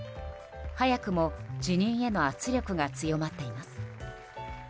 早くも辞任への圧力が強まっています。